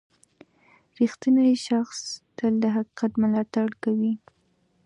• رښتینی شخص تل د حقیقت ملاتړ کوي.